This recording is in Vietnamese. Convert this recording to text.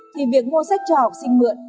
thì việc mua sách cho học sinh mượn